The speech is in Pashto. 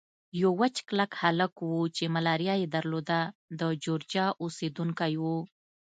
یو وچ کلک هلک وو چې ملاریا یې درلوده، د جورجیا اوسېدونکی و.